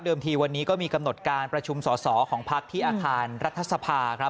ทีวันนี้ก็มีกำหนดการประชุมสอสอของพักที่อาคารรัฐสภาครับ